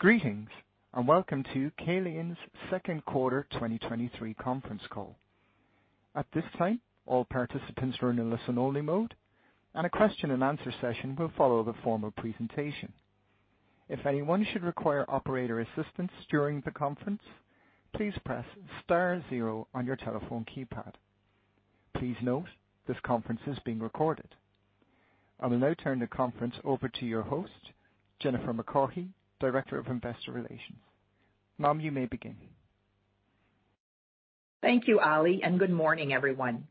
Greetings, welcome to Calian's Second Quarter 2023 Conference Call. At this time, all participants are in a listen-only mode, and a question and answer session will follow the formal presentation. If anyone should require operator assistance during the conference, please press star zero on your telephone keypad. Please note, this conference is being recorded. I will now turn the conference over to your host, Jennifer McCaughey, Director of Investor Relations. Ma'am, you may begin. Thank you, Ali, and good morning, everyone.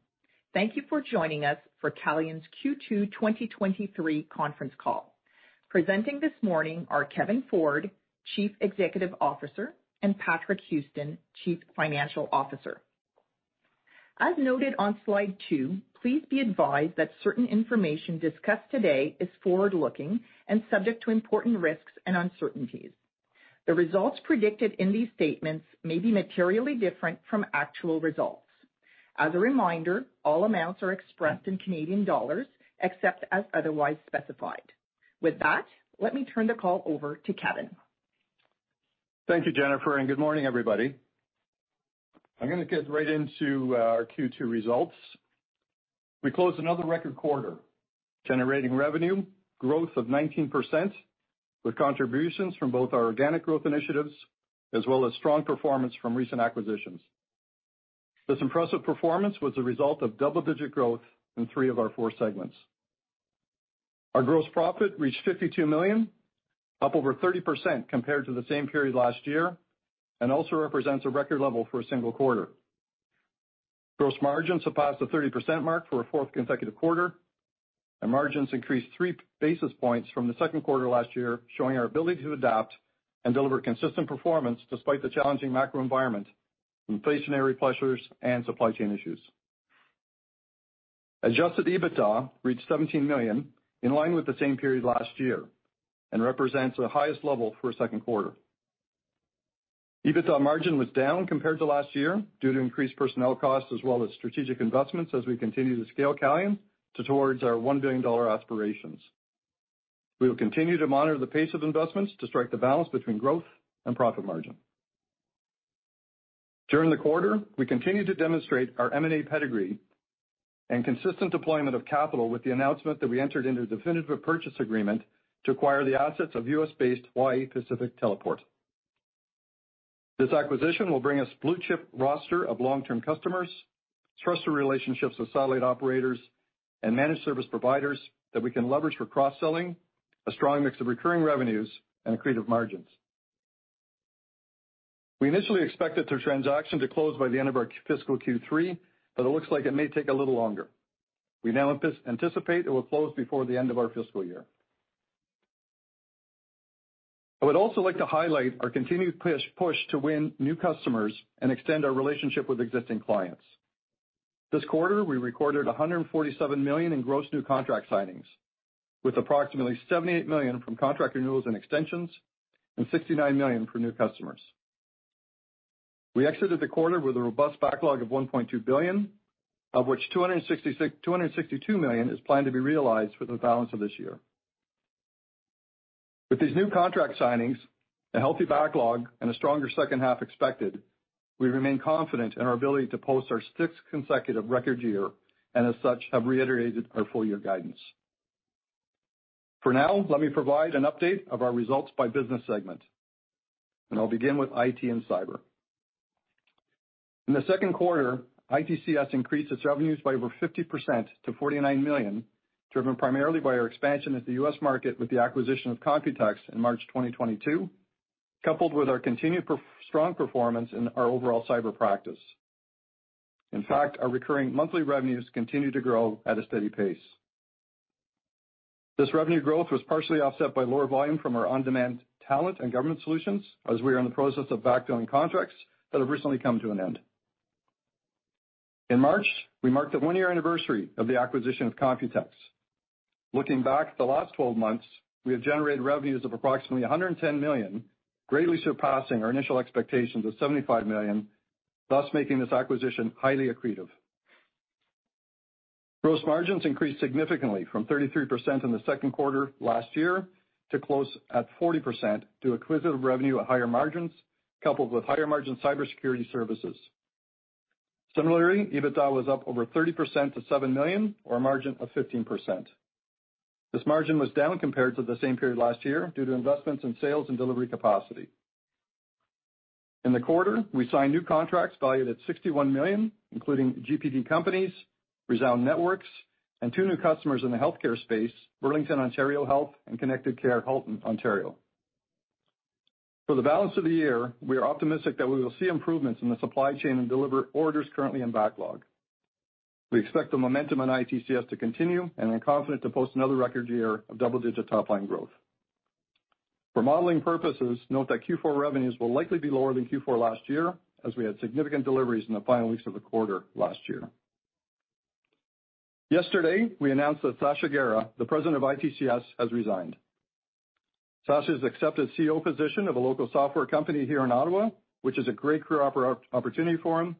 Thank you for joining us for Calian's Q2 2023 Conference Call. Presenting this morning are Kevin Ford, Chief Executive Officer, and Patrick Houston, Chief Financial Officer. As noted on slide two, please be advised that certain information discussed today is forward-looking and subject to important risks and uncertainties. The results predicted in these statements may be materially different from actual results. As a reminder, all amounts are expressed in Canadian dollars, except as otherwise specified. With that, let me turn the call over to Kevin. Thank you, Jennifer, and good morning, everybody. I'm gonna get right into our Q2 results. We closed another record quarter, generating revenue growth of 19% with contributions from both our organic growth initiatives as well as strong performance from recent acquisitions. This impressive performance was a result of double-digit growth in three of our four segments. Our gross profit reached 52 million, up over 30% compared to the same period last year, and also represents a record level for a single quarter. Gross margins surpassed the 30% mark for a fourth consecutive quarter, and margins increased three basis points from the second quarter last year, showing our ability to adapt and deliver consistent performance despite the challenging macro environment, inflationary pressures, and supply chain issues. Adjusted EBITDA reached 17 million, in line with the same period last year, and represents the highest level for a second quarter. EBITDA margin was down compared to last year due to increased personnel costs as well as strategic investments as we continue to scale Calian towards our 1 billion dollar aspirations. We will continue to monitor the pace of investments to strike the balance between growth and profit margin. During the quarter, we continued to demonstrate our M&A pedigree and consistent deployment of capital with the announcement that we entered into a definitive purchase agreement to acquire the assets of U.S. based Hawaii Pacific Teleport. This acquisition will bring us blue-chip roster of long-term customers, trusted relationships with satellite operators and managed service providers that we can leverage for cross-selling, a strong mix of recurring revenues, and accretive margins. We initially expected the transaction to close by the end of our fiscal Q3. It looks like it may take a little longer. We now anticipate it will close before the end of our fiscal year. I would also like to highlight our continued push to win new customers and extend our relationship with existing clients. This quarter, we recorded 147 million in gross new contract signings, with approximately 78 million from contract renewals and extensions and 69 million for new customers. We exited the quarter with a robust backlog of 1.2 billion, of which 262 million is planned to be realized for the balance of this year. With these new contract signings, a healthy backlog, and a stronger second half expected, we remain confident in our ability to post our 6th consecutive record year and as such have reiterated our full year guidance. Let me provide an update of our results by business segment. I'll begin with IT and cyber. In the second quarter, ITCS increased its revenues by over 50% to 49 million, driven primarily by our expansion into the U.S. market with the acquisition of Computex in March 2022, coupled with our continued strong performance in our overall cyber practice. In fact, our recurring monthly revenues continue to grow at a steady pace. This revenue growth was partially offset by lower volume from our on-demand talent and government solutions, as we are in the process of backfilling contracts that have recently come to an end. In March, we marked the one-year anniversary of the acquisition of Computex. Looking back at the last 12 months, we have generated revenues of approximately 110 million, greatly surpassing our initial expectations of 75 million, thus making this acquisition highly accretive. Gross margins increased significantly from 33% in the second quarter last year to close at 40% due to acquisitive revenue at higher margins, coupled with higher margin cybersecurity services. Similarly, EBITDA was up over 30% to 7 million or a margin of 15%. This margin was down compared to the same period last year due to investments in sales and delivery capacity. In the quarter, we signed new contracts valued at 61 million, including GPD Companies, Resound Networks, and two new customers in the healthcare space, Burlington Ontario Health, and Connected Care Halton, Ontario. For the balance of the year, we are optimistic that we will see improvements in the supply chain and deliver orders currently in backlog. We expect the momentum in ITCS to continue and are confident to post another record year of double-digit top-line growth. For modeling purposes, note that Q4 revenues will likely be lower than Q4 last year as we had significant deliveries in the final weeks of the quarter last year. Yesterday, we announced that Sacha Gera, the president of ITCS, has resigned. Sacha has accepted CEO position of a local software company here in Ottawa, which is a great career opportunity for him.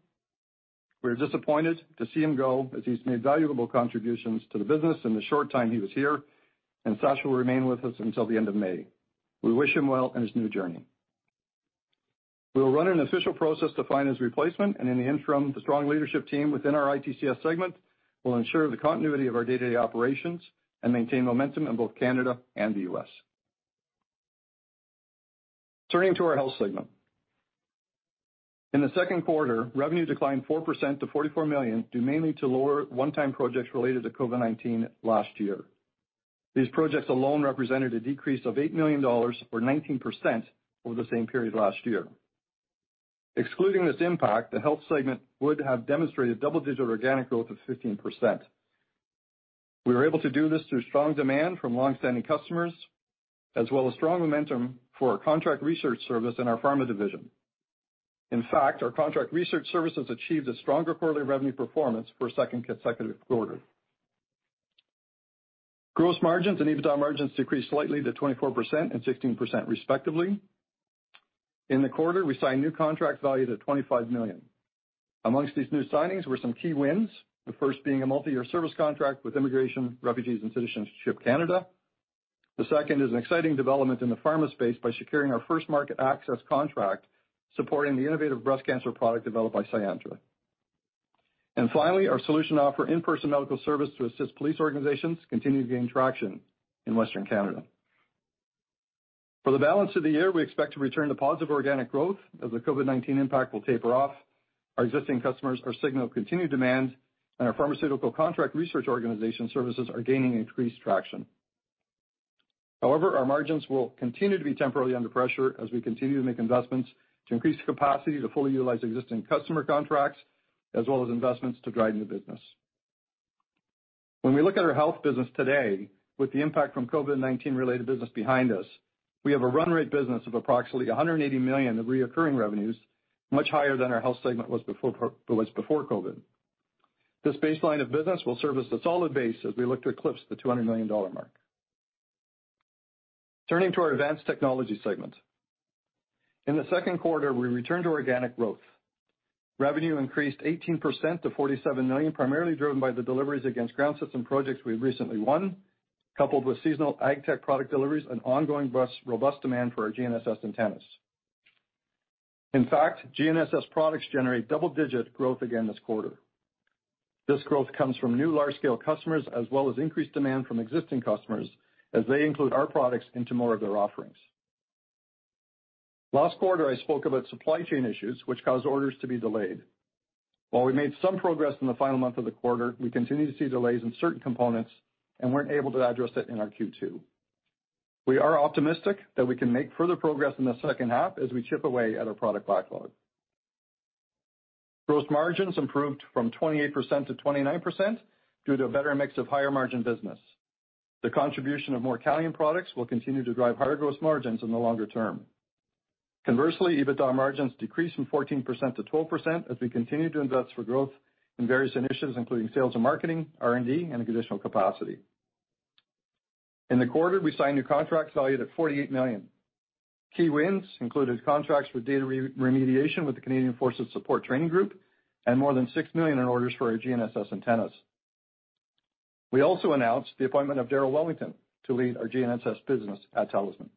We are disappointed to see him go as he's made valuable contributions to the business in the short time he was here, and Sacha will remain with us until the end of May. We wish him well in his new journey. We'll run an official process to find his replacement, and in the interim, the strong leadership team within our ITCS segment will ensure the continuity of our day-to-day operations and maintain momentum in both Canada and the U.S. Turning to our health segment. In the second quarter, revenue declined 4% to 44 million, due mainly to lower one-time projects related to COVID-19 last year. These projects alone represented a decrease of 8 million dollars or 19% over the same period last year. Excluding this impact, the health segment would have demonstrated double-digit organic growth of 15%. We were able to do this through strong demand from long-standing customers, as well as strong momentum for our contract research service in our pharma division. In fact, our contract research services achieved a stronger quarterly revenue performance for a second consecutive quarter. Gross margins and EBITDA margins decreased slightly to 24% and 16% respectively. In the quarter, we signed new contracts valued at 25 million. Amongst these new signings were some key wins, the first being a multi-year service contract with Immigration, Refugees and Citizenship Canada. The second is an exciting development in the pharma space by securing our first market access contract, supporting the innovative breast cancer product developed by Syantra. Finally, our solution to offer in-person medical service to assist police organizations continue to gain traction in Western Canada. For the balance of the year, we expect to return to positive organic growth as the COVID-19 impact will taper off. Our existing customers are signaling continued demand and our pharmaceutical contract research organization services are gaining increased traction. Our margins will continue to be temporarily under pressure as we continue to make investments to increase capacity to fully utilize existing customer contracts, as well as investments to drive new business. When we look at our health business today, with the impact from COVID-19-related business behind us, we have a run rate business of approximately 180 million of recurring revenues, much higher than our health segment was before COVID. This baseline of business will serve as a solid base as we look to eclipse the 200 million dollar mark. Turning to our Advanced Technology segment. In the second quarter, we returned to organic growth. Revenue increased 18% to 47 million, primarily driven by the deliveries against ground system projects we've recently won, coupled with seasonal AgTech product deliveries and ongoing robust demand for our GNSS antennas. In fact, GNSS products generate double-digit growth again this quarter. This growth comes from new large-scale customers as well as increased demand from existing customers as they include our products into more of their offerings. Last quarter, I spoke about supply chain issues which caused orders to be delayed. While we made some progress in the final month of the quarter, we continue to see delays in certain components and weren't able to address it in our Q2. We are optimistic that we can make further progress in the second half as we chip away at our product backlog. Gross margins improved from 28% to 29% due to a better mix of higher-margin business. The contribution of more Calian products will continue to drive higher gross margins in the longer term. Conversely, EBITDA margins decreased from 14% to 12% as we continue to invest for growth in various initiatives, including sales and marketing, R&D, and additional capacity. In the quarter, we signed new contracts valued at 48 million. Key wins included contracts for data re-remediation with the Canadian Forces Support Training Group and more than 6 million in orders for our GNSS antennas. We also announced the appointment of Darrell Wellington to lead our GNSS business at Tallysman.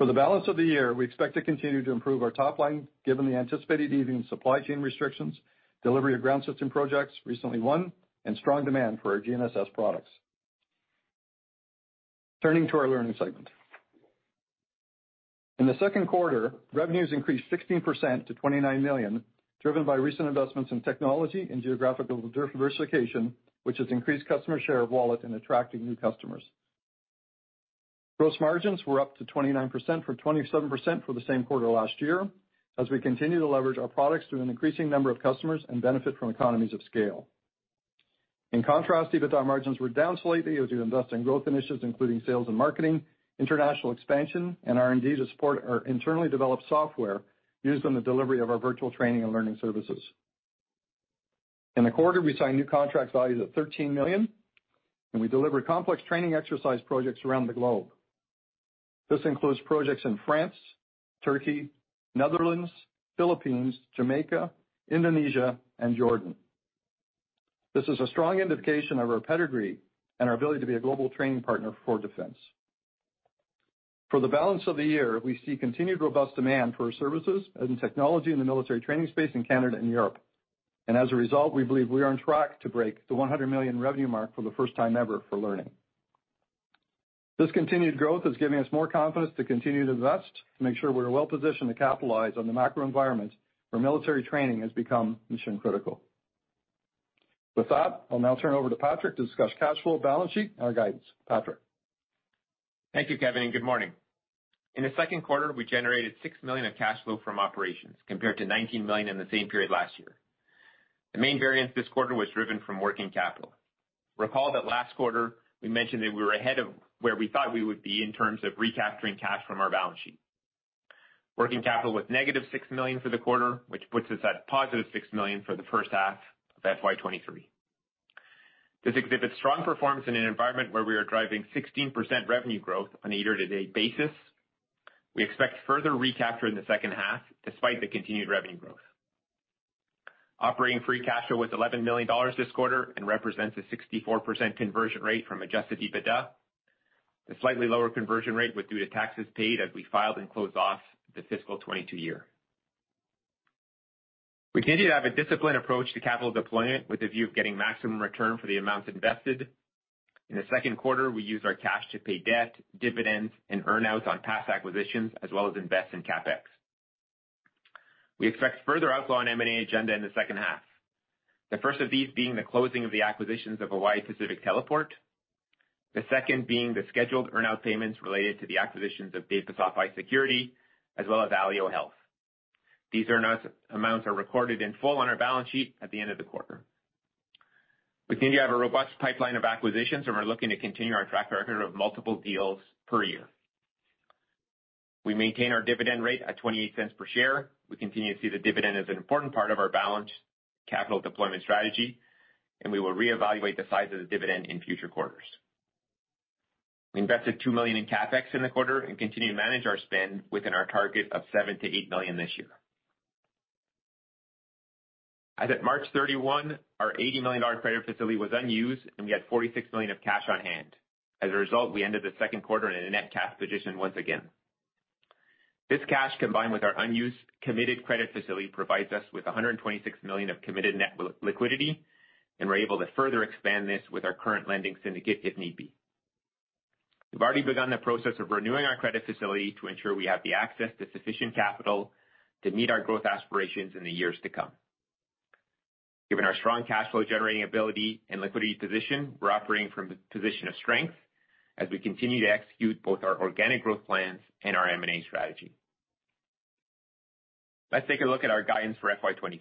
For the balance of the year, we expect to continue to improve our top line, given the anticipated easing of supply chain restrictions, delivery of ground system projects recently won, and strong demand for our GNSS products. Turning to our learning segment. In the second quarter, revenues increased 16% to 29 million, driven by recent investments in technology and geographical diversification, which has increased customer share of wallet in attracting new customers. Gross margins were up to 29% from 27% for the same quarter last year, as we continue to leverage our products through an increasing number of customers and benefit from economies of scale. In contrast, EBITDA margins were down slightly as we invest in growth initiatives, including sales and marketing, international expansion and R&D to support our internally developed software used in the delivery of our virtual training and learning services. In the quarter, we signed new contracts valued at 13 million, and we delivered complex training exercise projects around the globe. This includes projects in France, Turkey, Netherlands, Philippines, Jamaica, Indonesia, and Jordan. This is a strong indication of our pedigree and our ability to be a global training partner for defense. For the balance of the year, we see continued robust demand for our services and technology in the military training space in Canada and Europe. As a result, we believe we are on track to break the 100 million revenue mark for the first time ever for learning. This continued growth is giving us more confidence to continue to invest to make sure we're well positioned to capitalize on the macro environment where military training has become mission-critical. With that, I'll now turn over to Patrick to discuss cash flow, balance sheet, and our guidance. Patrick? Thank you, Kevin, and good morning. In the second quarter, we generated 6 million of cash flow from operations compared to 19 million in the same period last year. The main variance this quarter was driven from working capital. Recall that last quarter we mentioned that we were ahead of where we thought we would be in terms of recapturing cash from our balance sheet. Working capital was negative 6 million for the quarter, which puts us at positive 6 million for the first half of FY23. This exhibits strong performance in an environment where we are driving 16% revenue growth on a year-to-date basis. We expect further recapture in the second half despite the continued revenue growth. Operating free cash flow was 11 million dollars this quarter and represents a 64% conversion rate from adjusted EBITDA. The slightly lower conversion rate was due to taxes paid as we filed and closed off the fiscal 2022 year. We continue to have a disciplined approach to capital deployment with a view of getting maximum return for the amounts invested. In the second quarter, we used our cash to pay debt, dividends, and earn-outs on past acquisitions, as well as invest in CapEx. We expect further outflow on M&A agenda in the second half. The first of these being the closing of the acquisitions of Hawaii Pacific Teleport. The second being the scheduled earn-out payments related to the acquisitions of Data Software Security, as well as Alio Health. These earn-outs amounts are recorded in full on our balance sheet at the end of the quarter. We continue to have a robust pipeline of acquisitions, and we're looking to continue our track record of multiple deals per year. We maintain our dividend rate at 0.28 per share. We continue to see the dividend as an important part of our balanced capital deployment strategy. We will reevaluate the size of the dividend in future quarters. We invested 2 million in CapEx in the quarter. We continue to manage our spend within our target of 7 million-8 million this year. As at March 31, our 80 million dollar credit facility was unused. We had 46 million of cash on hand. As a result, we ended the second quarter in a net cash position once again. This cash, combined with our unused committed credit facility, provides us with 126 million of committed net liquidity. We're able to further expand this with our current lending syndicate, if need be. We've already begun the process of renewing our credit facility to ensure we have the access to sufficient capital to meet our growth aspirations in the years to come. Given our strong cash flow generating ability and liquidity position, we're operating from a position of strength as we continue to execute both our organic growth plans and our M&A strategy. Let's take a look at our guidance for FY23.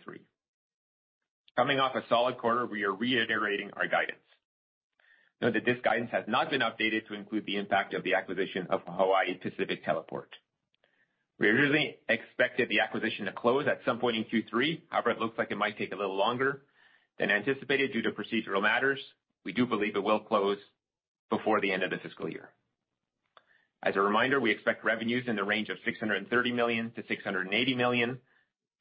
Coming off a solid quarter, we are reiterating our guidance. Note that this guidance has not been updated to include the impact of the acquisition of Hawaii Pacific Teleport. We originally expected the acquisition to close at some point in Q3. However, it looks like it might take a little longer than anticipated due to procedural matters. We do believe it will close before the end of the fiscal year. A reminder, we expect revenues in the range of 630 million-680 million.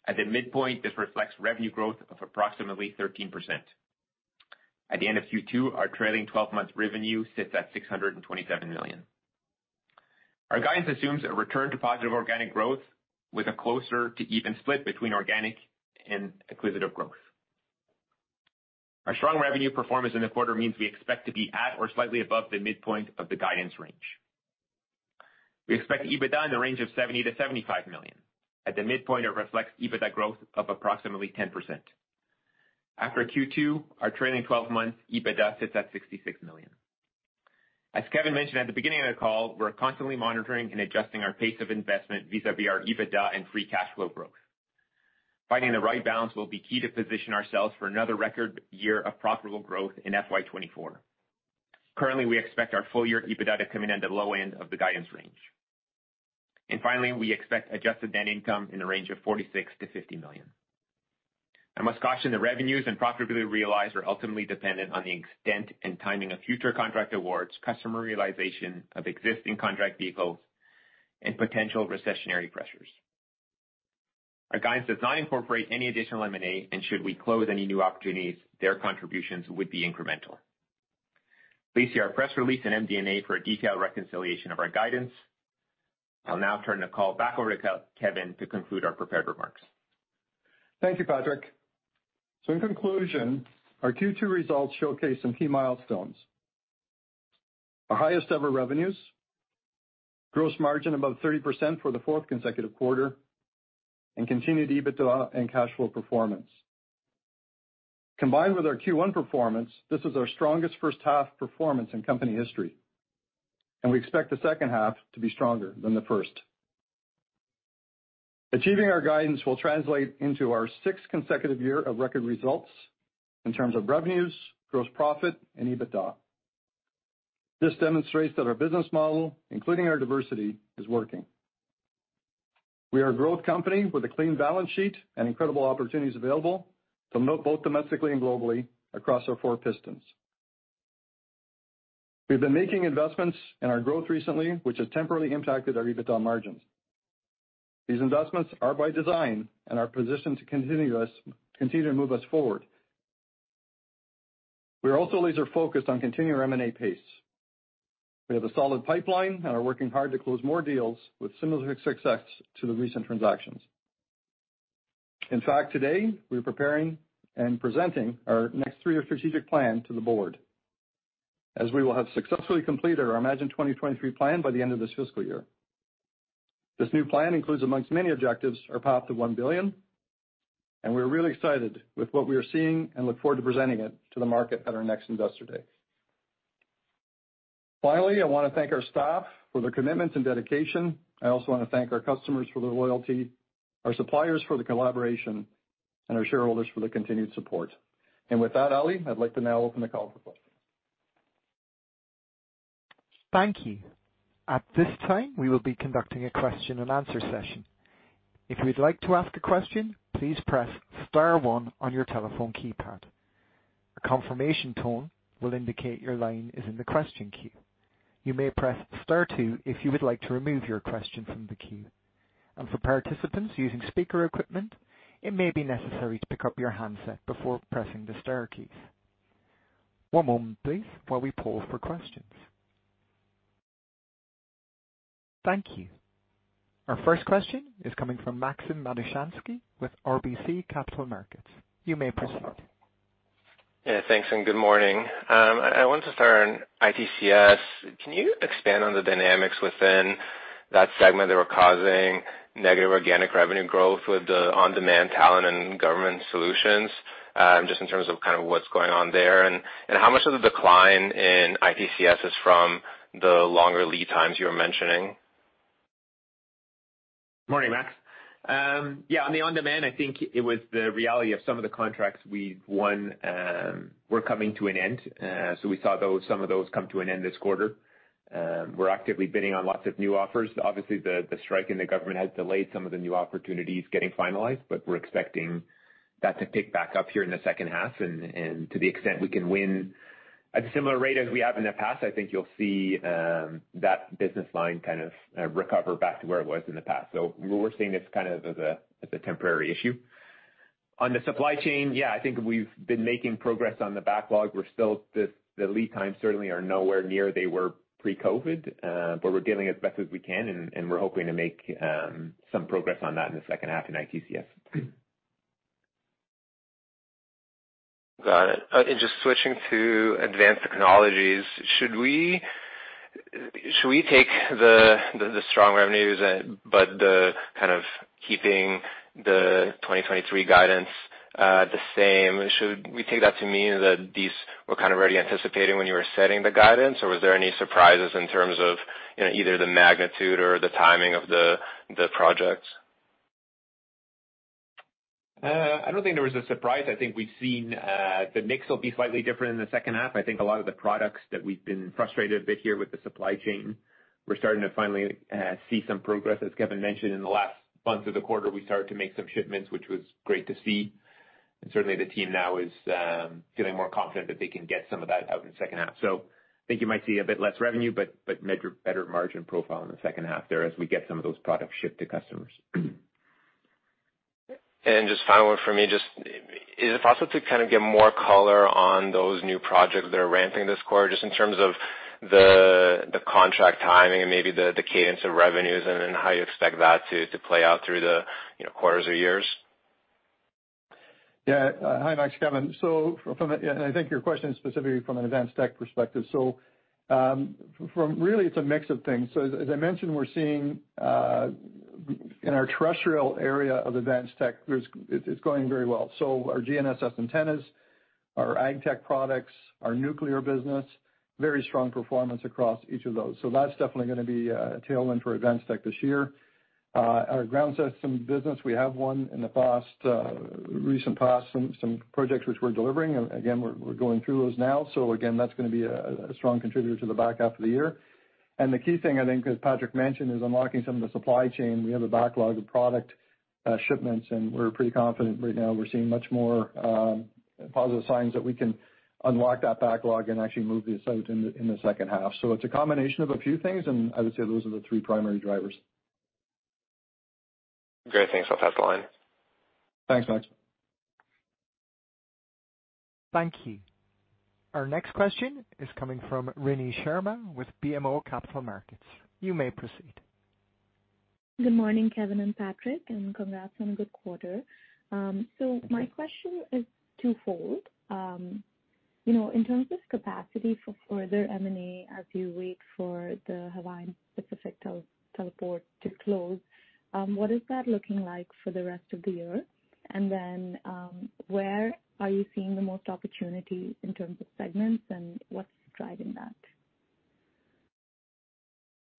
At the midpoint, this reflects revenue growth of approximately 13%. At the end of Q2, our trailing twelve-month revenue sits at 627 million. Our guidance assumes a return to positive organic growth with a closer to even split between organic and acquisitive growth. Our strong revenue performance in the quarter means we expect to be at or slightly above the midpoint of the guidance range. We expect EBITDA in the range of 70 million-75 million. At the midpoint, it reflects EBITDA growth of approximately 10%. After Q2, our trailing twelve-month EBITDA sits at 66 million. As Kevin mentioned at the beginning of the call, we're constantly monitoring and adjusting our pace of investment vis-à-vis our EBITDA and free cash flow growth. Finding the right balance will be key to position ourselves for another record year of profitable growth in FY24. Currently, we expect our full year EBITDA to come in at the low end of the guidance range. Finally, we expect adjusted net income in the range of 46 million-50 million. I must caution the revenues and profitability realized are ultimately dependent on the extent and timing of future contract awards, customer realization of existing contract vehicles, and potential recessionary pressures. Our guidance does not incorporate any additional M&A, and should we close any new opportunities, their contributions would be incremental. Please see our press release in MD&A for a detailed reconciliation of our guidance. I'll now turn the call back over to Kevin to conclude our prepared remarks. Thank you, Patrick. In conclusion, our Q2 results showcase some key milestones. Our highest ever revenues, gross margin above 30% for the fourth consecutive quarter, and continued EBITDA and cash flow performance. Combined with our Q1 performance, this is our strongest 1st half performance in company history, and we expect the 2nd half to be stronger than the 1st. Achieving our guidance will translate into our sixth consecutive year of record results in terms of revenues, gross profit, and EBITDA. This demonstrates that our business model, including our diversity, is working. We are a growth company with a clean balance sheet and incredible opportunities available to both domestically and globally across our four pistons. We've been making investments in our growth recently, which has temporarily impacted our EBITDA margins. These investments are by design and are positioned to continue to move us forward. We are also laser-focused on continuing our M&A pace. We have a solid pipeline and are working hard to close more deals with similar success to the recent transactions. In fact, today, we're preparing and presenting our next three-year strategic plan to the board, as we will have successfully completed our Imagine 2023 plan by the end of this fiscal year. This new plan includes, amongst many objectives, our path to 1 billion, and we're really excited with what we are seeing and look forward to presenting it to the market at our next Investor Day. Finally, I wanna thank our staff for their commitment and dedication. I also wanna thank our customers for their loyalty, our suppliers for the collaboration, and our shareholders for the continued support. With that, Ali, I'd like to now open the call for questions. Thank you. At this time, we will be conducting a question and answer session. If you'd like to ask a question, please press star one on your telephone keypad. A confirmation tone will indicate your line is in the question queue. You may press star two if you would like to remove your question from the queue. And for participants using speaker equipment, it may be necessary to pick up your handset before pressing the star keys. One moment, please, while we pause for questions. Thank you. Our first question is coming from Maxim Matushansky with RBC Capital Markets. You may proceed. Yeah, thanks, and good morning. I want to start on ITCS. Can you expand on the dynamics within that segment that were causing negative organic revenue growth with the on-demand talent and government solutions, just in terms of kind of what's going on there? How much of the decline in ITCS is from the longer lead times you were mentioning? Morning, Max. Yeah, on the on-demand, I think it was the reality of some of the contracts we won, were coming to an end. We saw those, some of those come to an end this quarter. We're actively bidding on lots of new offers. Obviously, the strike in the government has delayed some of the new opportunities getting finalized, but we're expecting that to pick back up here in the second half. To the extent we can win at a similar rate as we have in the past, I think you'll see that business line kind of recover back to where it was in the past. We're seeing this kind of as a, as a temporary issue. On the supply chain, yeah, I think we've been making progress on the backlog. The lead times certainly are nowhere near they were pre-COVID, but we're dealing as best as we can, and we're hoping to make some progress on that in the second half in ITCS. Got it. Just switching to Advanced Technologies, should we take the strong revenues but the kind of keeping the 2023 guidance the same? Should we take that to mean that these were kind of already anticipating when you were setting the guidance, or was there any surprises in terms of, you know, either the magnitude or the timing of the projects? I don't think there was a surprise. I think we've seen the mix will be slightly different in the second half. I think a lot of the products that we've been frustrated a bit here with the supply chain, we're starting to finally see some progress. As Kevin mentioned, in the last months of the quarter, we started to make some shipments, which was great to see. Certainly the team now is feeling more confident that they can get some of that out in the second half. I think you might see a bit less revenue, but better margin profile in the second half there as we get some of those products shipped to customers. Just final one for me, just is it possible to kind of get more color on those new projects that are ramping this quarter, just in terms of the contract timing and maybe the cadence of revenues and then how you expect that to play out through the, you know, quarters or years? Yeah. Hi, Max. Kevin. I think your question is specifically from an advanced tech perspective. really it's a mix of things. as I mentioned, we're seeing in our terrestrial area of advanced tech, it's going very well. Our GNSS antennas, our AgTech products, our nuclear business, very strong performance across each of those. That's definitely gonna be a tailwind for advanced tech this year. Our ground system business, we have one in the past, recent past, some projects which we're delivering. Again, we're going through those now. Again, that's gonna be a strong contributor to the back half of the year. The key thing I think, as Patrick mentioned, is unlocking some of the supply chain. We have a backlog of product shipments. We're pretty confident right now we're seeing much more positive signs that we can unlock that backlog and actually move this out in the second half. It's a combination of a few things. I would say those are the three primary drivers. Great. Thanks. I'll pass the line. Thanks, Max. Thank you. Our next question is coming from Rini Sharma with BMO Capital Markets. You may proceed. Good morning, Kevin and Patrick, congrats on a good quarter. My question is twofold. You know, in terms of capacity for further M&A as you wait for the Hawaii Pacific Teleport to close, what is that looking like for the rest of the year? Then, where are you seeing the most opportunity in terms of segments and what's driving that?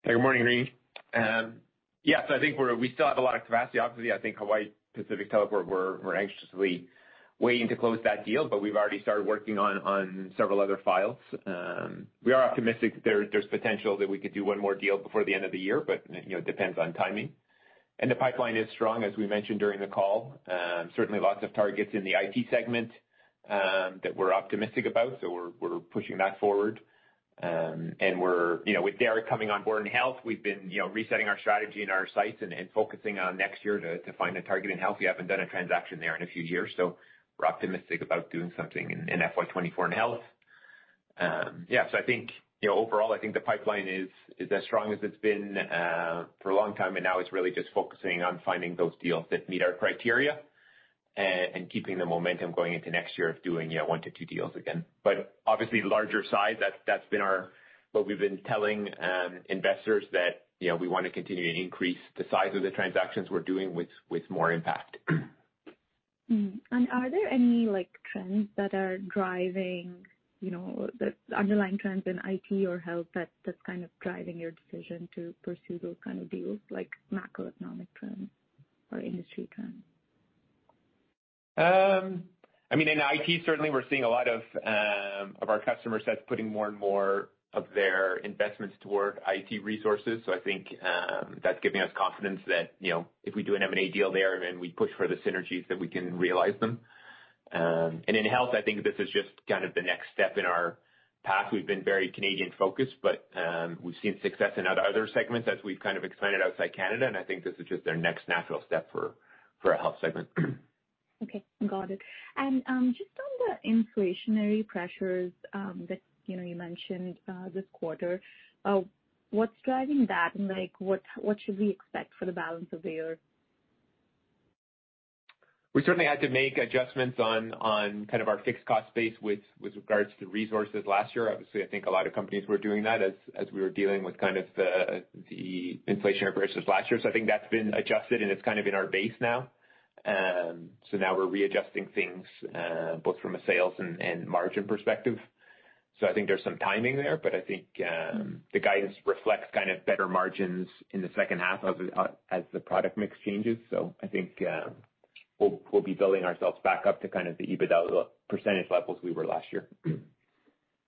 Good morning, Rini. Yeah, we still have a lot of capacity. Obviously, I think Hawaii Pacific Teleport, we're anxiously waiting to close that deal, but we've already started working on several other files. We are optimistic that there's potential that we could do one more deal before the end of the year, but, you know, it depends on timing. The pipeline is strong, as we mentioned during the call. Certainly lots of targets in the IT segment that we're optimistic about, so we're pushing that forward. We're, you know, with Derek coming on board in health, we've been, you know, resetting our strategy and our sights and focusing on next year to find a target in health. We haven't done a transaction there in a few years, we're optimistic about doing something in FY24 in health. I think, you know, overall, I think the pipeline is as strong as it's been for a long time, now it's really just focusing on finding those deals that meet our criteria and keeping the momentum going into next year of doing, you know, one to two deals again. Obviously larger size, that's been our what we've been telling investors that, you know, we wanna continue to increase the size of the transactions we're doing with more impact. Are there any, like, trends that are driving, you know, the underlying trends in IT or health that's kind of driving your decision to pursue those kind of deals, like macroeconomic trends or industry trends? I mean, in IT, certainly we're seeing a lot of our customer sets putting more and more of their investments toward IT resources. I think that's giving us confidence that, you know, if we do an M&A deal there, and we push for the synergies that we can realize them. In health, I think this is just kind of the next step in our path. We've been very Canadian-focused, but we've seen success in other segments as we've kind of expanded outside Canada, and I think this is just their next natural step for a health segment. Okay. Got it. Just on the inflationary pressures, that, you know, you mentioned, this quarter, what's driving that? Like, what should we expect for the balance of the year? We certainly had to make adjustments on kind of our fixed cost base with regards to resources last year. Obviously, I think a lot of companies were doing that as we were dealing with kind of the inflationary pressures last year. I think that's been adjusted, and it's kind of in our base now. Now we're readjusting things both from a sales and margin perspective. I think there's some timing there. I think the guidance reflects kind of better margins in the second half as the product mix changes. I think we'll be building ourselves back up to kind of the EBITDA percentage levels we were last year.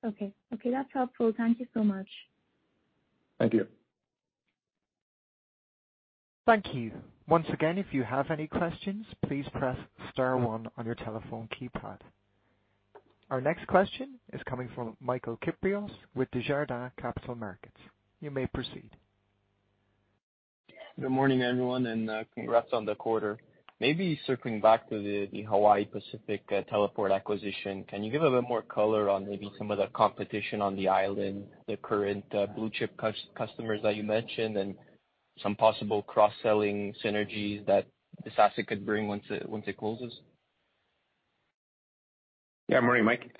Okay. Okay, that's helpful. Thank you so much. Thank you. Thank you. Once again, if you have any questions, please press star one on your telephone keypad. Our next question is coming from Benoit Poirier with Desjardins Capital Markets. You may proceed. Good morning, everyone, and congrats on the quarter. Maybe circling back to the Hawaii Pacific Teleport acquisition. Can you give a bit more color on maybe some of the competition on the island, the current blue chip customers that you mentioned, and some possible cross-selling synergies that this asset could bring once it closes? Morning, Mike.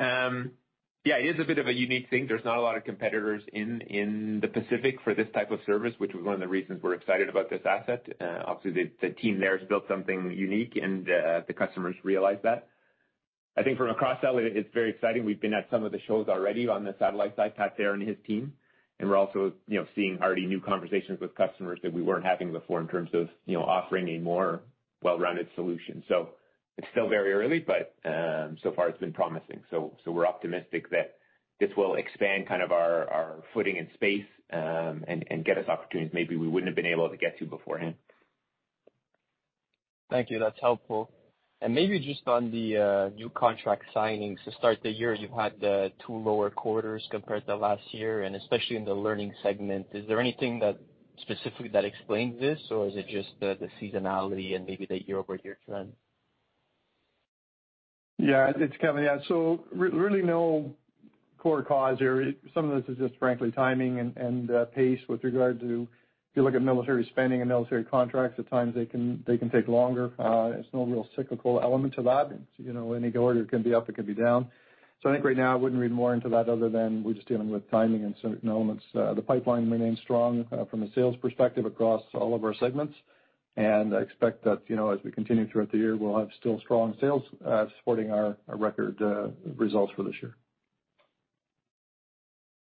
It is a bit of a unique thing. There's not a lot of competitors in the Pacific for this type of service, which was one of the reasons we're excited about this asset. Obviously, the team there has built something unique, the customers realize that. I think from a cross-sell, it's very exciting. We've been at some of the shows already on the satellite side, Patrick Thera and his team. We're also, you know, seeing already new conversations with customers that we weren't having before in terms of, you know, offering a more well-rounded solution. It's still very early, so far it's been promising. We're optimistic that this will expand kind of our footing in space, get us opportunities maybe we wouldn't have been able to get to beforehand. Thank you. That's helpful. Maybe just on the new contract signings. To start the year, you've had two lower quarters compared to last year, and especially in the learning segment. Is there anything that specifically explains this, or is it just the seasonality and maybe the year-over-year trend? It's Kevin. Yeah. Really no core cause here. Some of this is just frankly timing and pace with regard to if you look at military spending and military contracts, at times they can take longer. There's no real cyclical element to that. You know, any order can be up, it can be down. I think right now I wouldn't read more into that other than we're just dealing with timing and certain elements. The pipeline remains strong from a sales perspective across all of our segments. I expect that, you know, as we continue throughout the year, we'll have still strong sales supporting our record results for this year.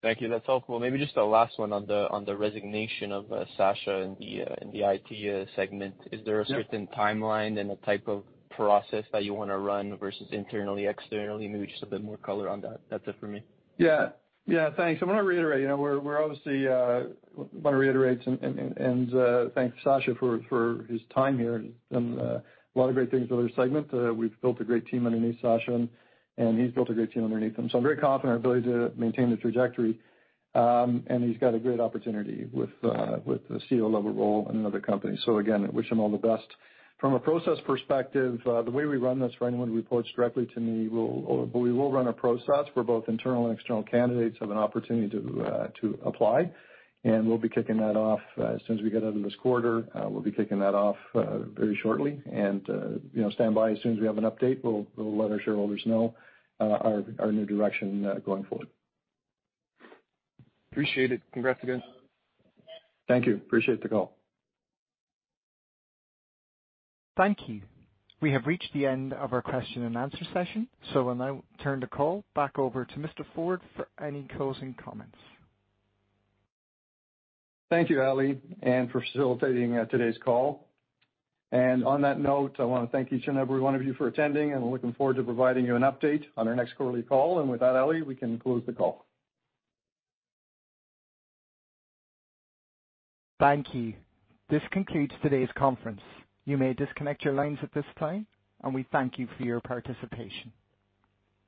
Thank you. That's helpful. Maybe just a last one on the, on the resignation of, Sacha in the, in the IT segment. Yeah. Is there a certain timeline and a type of process that you wanna run versus internally, externally? Maybe just a bit more color on that. That's it for me. Yeah. Yeah. Thanks. I wanna reiterate, you know, we're obviously, wanna reiterate and, thank Sacha for his time here and, a lot of great things for their segment. We've built a great team underneath Sacha, and he's built a great team underneath him. I'm very confident in our ability to maintain the trajectory. and he's got a great opportunity with a CEO-level role in another company. Again, I wish him all the best. From a process perspective, the way we run this for anyone who reports directly to me, we will run a process where both internal and external candidates have an opportunity to apply. We'll be kicking that off as soon as we get out of this quarter. We'll be kicking that off, very shortly. you know, stand by. As soon as we have an update, we'll let our shareholders know, our new direction, going forward. Appreciate it. Congrats again. Thank you. Appreciate the call. Thank you. We have reached the end of our question and answer session, so will now turn the call back over to Mr. Ford for any closing comments. Thank you, Allie, for facilitating today's call. On that note, I wanna thank each and every one of you for attending, and we're looking forward to providing you an update on our next quarterly call. With that, Allie, we can close the call. Thank you. This concludes today's conference. You may disconnect your lines at this time. We thank you for your participation.